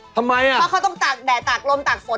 ทำไมอ่ะเพราะเขาต้องตากแดดตากลมตากฝน